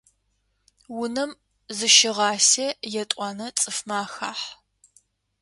Унэм зыщыгъасе етӏуанэ цӏыфмэ ахахь.